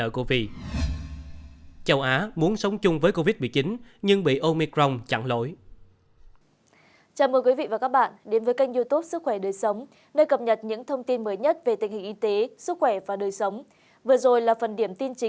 châu á muốn sống chung với covid một mươi chín nhưng bị omicron chặn lỗi